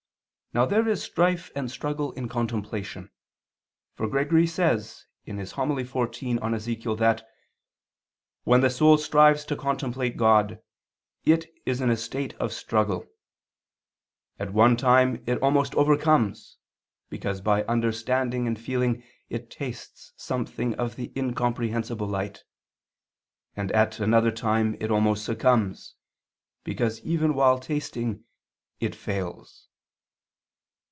Now there is strife and struggle in contemplation. For Gregory says (Hom. xiv in Ezech.) that "when the soul strives to contemplate God, it is in a state of struggle; at one time it almost overcomes, because by understanding and feeling it tastes something of the incomprehensible light, and at another time it almost succumbs, because even while tasting, it fails."